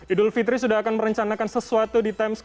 idul fitri sudah akan merencanakan sesuatu yang menarik